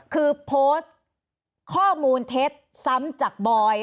คือโพสต์ข้อมูลเท็จซ้ำจากบอย